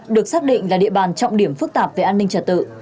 được xác định là địa bàn trọng điểm phức tạp về an ninh trật tự